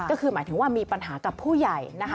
ก็คือหมายถึงว่ามีปัญหากับผู้ใหญ่นะคะ